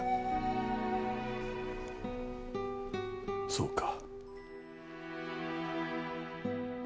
そうか。